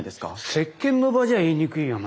接見の場じゃ言いにくいよなあ。